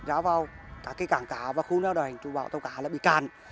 ra vào cả cái cảng cá và khu neo đoàn hành chú bão tàu cá là bị cạn